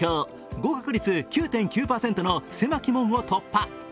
合格率９．９％の狭き門を突破。